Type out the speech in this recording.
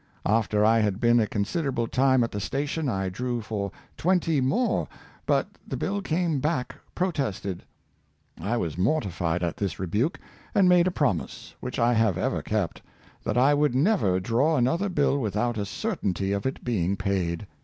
After I had been a considerable time at the station I drew for twenty more, but the bill came back pro tested. I was mortified at this rebuke, and made a promise, which I have ever kept, that I would never draw another bill without a certainty of its being paid.